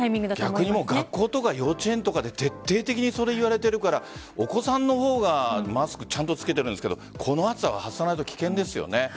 学校とか幼稚園で徹底的にそれを言われているからお子さんの方がマスクをちゃんとつけているんですがこの暑さは外さないと危険ですよね。